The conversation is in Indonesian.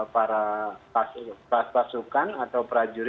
pasukan atau prajurit belajar kehormatan